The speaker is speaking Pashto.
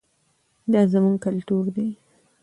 دا زموږ کلتور دی.